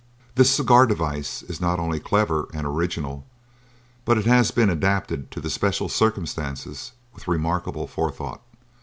This cigar device is not only clever and original, but it has been adapted to the special circumstances with remarkable forethought.